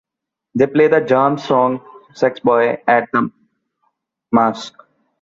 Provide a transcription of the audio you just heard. They play the Germs song "Sex Boy" at The Masque.